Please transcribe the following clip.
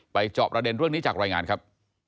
จอบประเด็นเรื่องนี้จากรายงานครับ